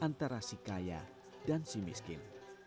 antara si kaya dan si miskin